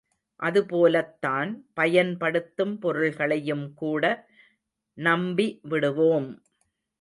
அது போலத்தான் பயன்படுத்தும் பொருள்களையும் கூட நம்பி விடுவோம்!